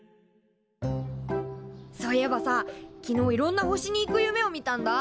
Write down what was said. そういえばさ昨日いろんな星に行く夢を見たんだ。